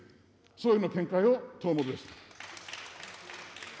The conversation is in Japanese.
総理の見解を問うものです。